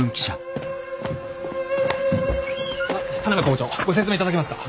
あっ田邊校長ご説明いただけますか？